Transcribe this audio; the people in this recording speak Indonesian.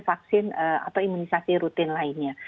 vaksin atau imunisasi rutin lainnya